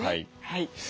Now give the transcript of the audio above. はい。